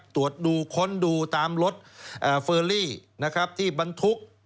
ตรวจดูค้นดูตามรถเฟอรี่นะครับที่บรรทุก